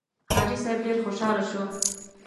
حاجي صیب ډېر خوشاله شو.